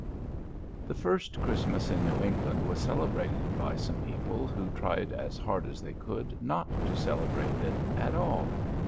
The first Christmas in New England was celebrated by some people who tried as hard as they could not to celebrate it at all.